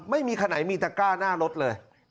ไม่มีคันไหนมีตะก้าหน้ารถเลย